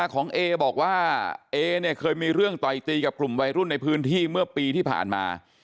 ของเอบอกว่าเอเนี่ยเคยมีเรื่องต่อยตีกับกลุ่มวัยรุ่นในพื้นที่เมื่อปีที่ผ่านมา